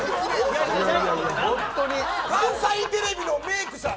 関西テレビのメイクさん